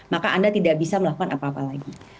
maka anda tidak bisa melakukan apa apa lagi